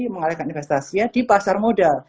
mengalihkan investasinya di pasar modal